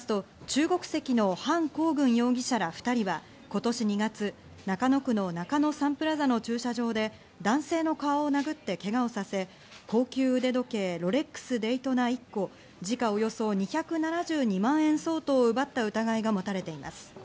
警視庁によりますと、中国籍のハン・コウグン容疑者ら２人は今年２月、中野区の中野サンプラザの駐車場で、男性の顔を殴ってけがをさせ、高級腕時計ロレックス・デイトナ１個、時価およそ２７２万円相当を奪った疑いが持たれています。